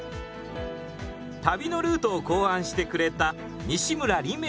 旅のルートを考案してくれた西村理明